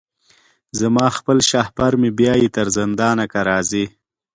زما خپل شهپر مي بیايي تر زندانه که راځې